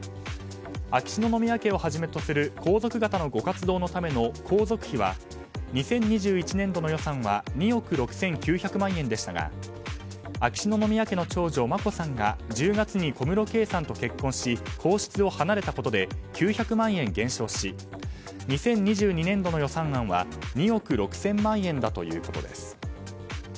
秋篠宮家をはじめとする皇族方のご活動のための皇族費は、２０２１年度の予算は２億６９００万円でしたが秋篠宮さまの長女・眞子さんが１０月に小室圭さんと結婚し皇室を離れたことで９００万円減少し２０２２年度の予算案は２億６０００万円ということです。